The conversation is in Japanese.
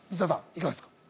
いかがですか？